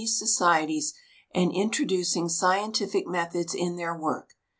se societies and introducing scientific methods in their work.